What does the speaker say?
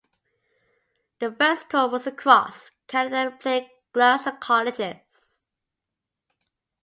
The first tour was across Canada playing clubs and colleges.